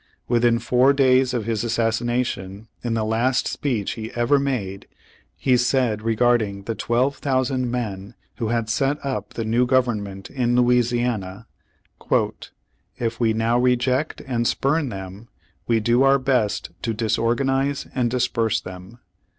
Within four days of his assassination, in the last speech he ever made, he said regarding the twelve thousand men who had set up the new government in Louisiana : "If we now reject and spurn them we do our best to disorganize and disperse them.